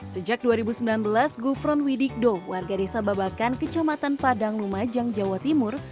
sejak dua ribu sembilan belas gufron widikdo warga desa babakan kecamatan padang lumajang jawa timur